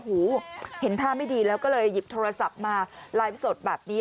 หูเห็นท่าไม่ดีแล้วก็เลยหยิบโทรศัพท์มาไลฟ์สดแบบนี้